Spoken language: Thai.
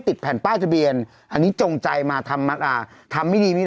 ติดแผ่นป้ายทะเบียนอันนี้จงใจมาทำไม่ดีไม่